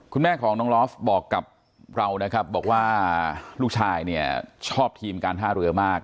คุณแม่ของน้องลอฟบอกกับเรานะครับบอกว่าลูกชายเนี่ยชอบทีมการท่าเรือมาก